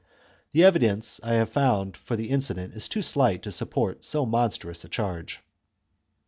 The evidence I have found for the incident is too slight to support so monstrous a charge.